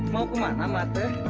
mau kemana mbak teh